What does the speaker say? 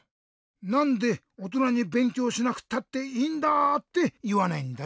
なんでおとなに「べんきょうしなくたっていいんだ！」っていわないんだい？